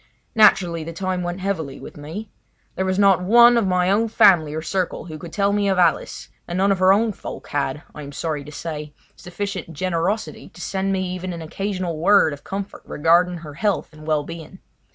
Naturally the time went heavily with me. There was not one of my own family or circle who could tell me of Alice, and none of her own folk had, I am sorry to say, sufficient generosity to send me even an occasional word of comfort regarding her health and well being.